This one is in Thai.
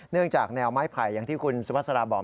จากแนวไม้ไผ่อย่างที่คุณสุภาษาบอก